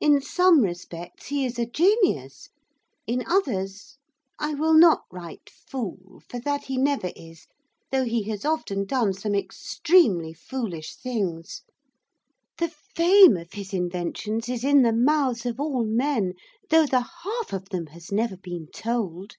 In some respects, he is a genius; in others I will not write fool, for that he never is, though he has often done some extremely foolish things. The fame of his inventions is in the mouths of all men; though the half of them has never been told.